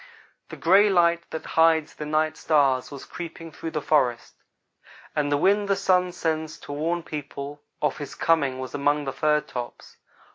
"The gray light that hides the night stars was creeping through the forests, and the wind the Sun sends to warn the people of his coming was among the fir tops.